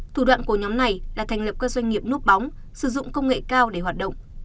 thủ đoạn của nhóm này là thành lập các doanh nghiệp núp bóng sử dụng công nghệ cao để hoạt động